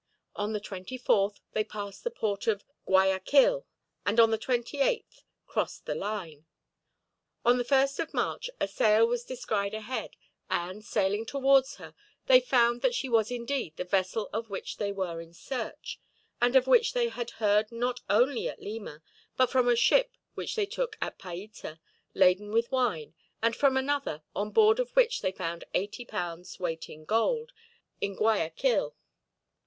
On the 24th they passed the port of Guayaquil, and on the 28th crossed the line. On the 1st of March a sail was descried ahead and, sailing towards her, they found that she was indeed the vessel of which they were in search; and of which they had heard not only at Lima, but from a ship which they took at Paita, laden with wine; and from another, on board of which they found eighty pounds weight in gold, in Guayaquil.